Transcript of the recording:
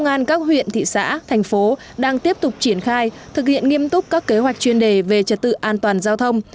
công an các huyện thị xã thành phố đang tiếp tục triển khai thực hiện nghiêm túc các kế hoạch chuyên đề về trật tự an toàn giao thông